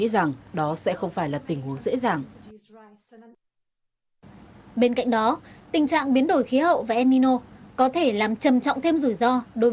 giảm bên cạnh đó tình trạng biến đổi khí hậu và enino có thể làm trầm trọng thêm rủi ro đối